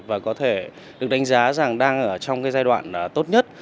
và có thể được đánh giá rằng đang ở trong cái giai đoạn tốt nhất